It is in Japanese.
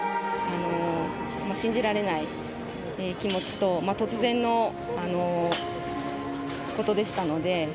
信じられない気持ちと、突然のことでしたので。